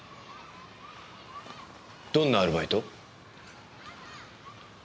どんなアルバイト？